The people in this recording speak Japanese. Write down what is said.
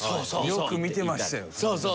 よく見てましたよ。